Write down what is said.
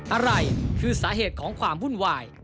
อะไรคือสาเหตุของความวุ่นวาย